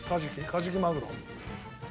カジキマグロ。